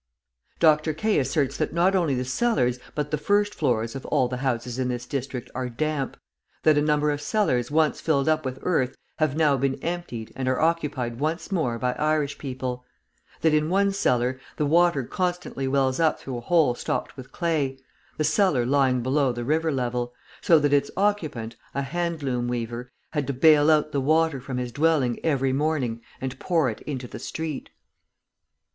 Dr. Kay asserts that not only the cellars but the first floors of all the houses in this district are damp; that a number of cellars once filled up with earth have now been emptied and are occupied once more by Irish people; that in one cellar the water constantly wells up through a hole stopped with clay, the cellar lying below the river level, so that its occupant, a hand loom weaver, had to bale out the water from his dwelling every morning and pour it into the street!